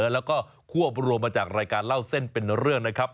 แล้วก็ควบรวมมาจากรายการเล่าเส้นเป็นเรื่องนะครับ